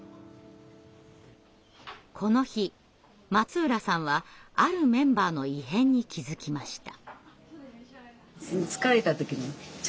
この日松浦さんはあるメンバーの異変に気づきました。